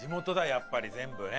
やっぱり全部ね。